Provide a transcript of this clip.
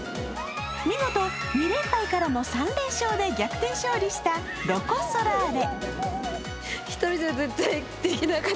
見事、２連敗からの３連勝で逆転勝利したロコ・ソラーレ。